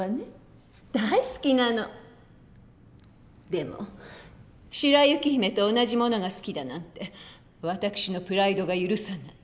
でも白雪姫と同じものが好きだなんて私のプライドが許さない。